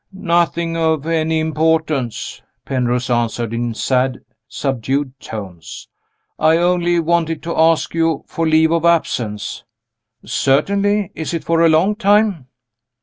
"Nothing of any importance," Penrose answered, in sad subdued tones. "I only wanted to ask you for leave of absence." "Certainly. Is it for a long time?"